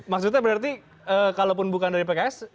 maksudnya berarti kalaupun bukan dari pks